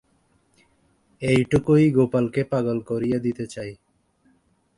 এইটুকুই গোপালকে পাগল করিয়া দিতে চায়।